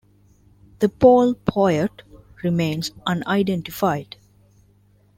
The Pearl Poet remains unidentified.